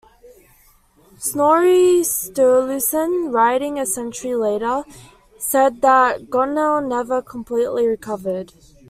Snorri Sturluson, writing a century later, said that Konghelle never completely recovered.